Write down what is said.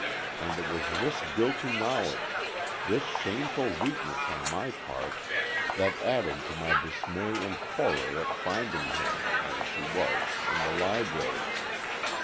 And it was this guilty knowledge—this shameful weakness on my part—that added to my dismay and horror at finding her—as she was, in the library.